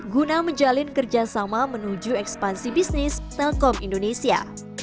guna menjalin kerjasama menuju ekspansi bisnis telkom indonesia